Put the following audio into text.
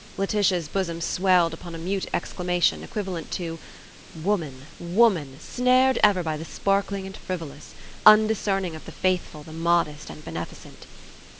Laetitia's bosom swelled upon a mute exclamation, equivalent to: "Woman! woman! snared ever by the sparkling and frivolous! undiscerning of the faithful, the modest and beneficent!"